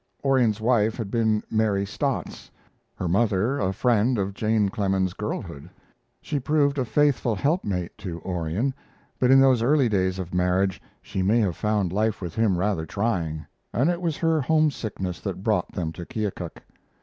Orion's wife had been Mary Stotts; her mother a friend of Jane Clemens's girlhood. She proved a faithful helpmate to Orion; but in those early days of marriage she may have found life with him rather trying, and it was her homesickness that brought them to Keokuk.